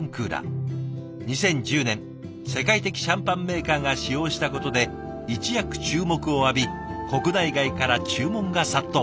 ２０１０年世界的シャンパンメーカーが使用したことで一躍注目を浴び国内外から注文が殺到。